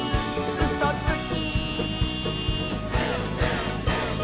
「うそつき！」